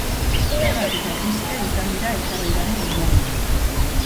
Zergak eta krisia izan dira eztabaidaren oinarria.